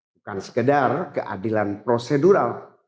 bukan sekedar keadilan prosedural